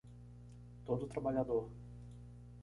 Todo trabalhador